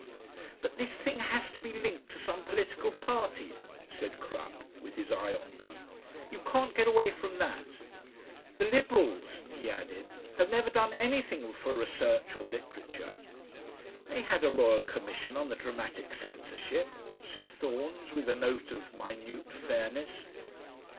"But this thing has to be linked to some political party," said Crupp, with his eye on me. "You can't get away from that. The Liberals," he added, "have never done anything for research or literature." "They had a Royal Commission on the Dramatic Censorship," said Thorns, with a note of minute fairness.